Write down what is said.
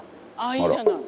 いいじゃない。